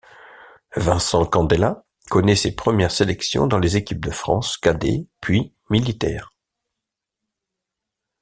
Vincent Candela connaît ses premières sélections dans les équipes de France cadet, puis militaire.